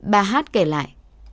bà hát kể lại